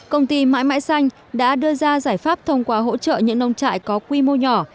công ty mãi mãi xanh đã đưa ra giải pháp thông qua hỗ trợ những nông trại có quy mô nhỏ